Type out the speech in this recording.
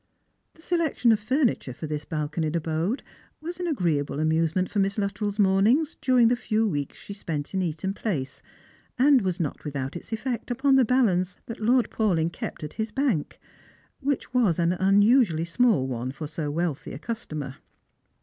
The selection of furniture for this balconied abode was an agreeable amusement for Miss Luttrell's mornings during the few weeks she spent in Eaton place, and was not without its efl^ect upon the balance Lord Paulyn kept at his bank, which was an unusually s mall one for so wealthy a customer.